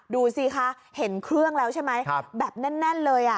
ดูสิคะเห็นเครื่องแล้วใช่ไหมแบบแน่นเลย